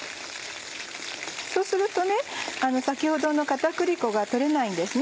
そうすると先ほどの片栗粉が取れないんですね。